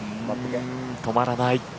止まらない。